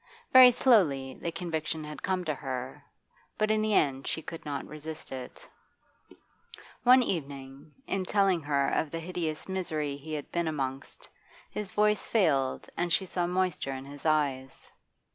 Very slowly the conviction had come to her, but in the end she could not resist it. One evening, in telling her of the hideous misery he had been amongst, his voice failed and she saw moisture in his eyes.